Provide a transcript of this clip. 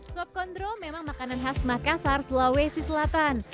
sopkondro memang makanan khas makassar sulawesi selatan